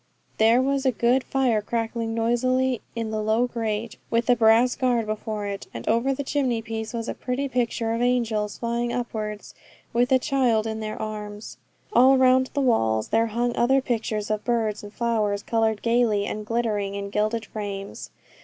There was a good fire crackling noisily in the low grate, with a brass guard before it, and over the chimney piece was a pretty picture of angels flying upwards with a child in their arms. All round the walls there hung other pictures of birds and flowers, coloured gaily, and glittering in gilded frames.